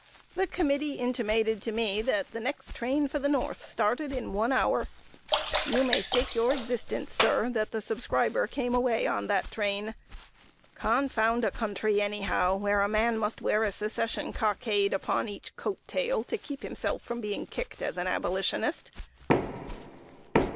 The committee intimated to me that the next train for the North started in one hour! You may stake your existence, sir, that the subscriber came away on that train. Confound a country, anyhow, where a man must wear a Secession cockade upon each coat tail to keep himself from being kicked as an Abolitionist!"